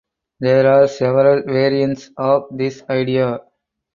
There are several variants of this idea.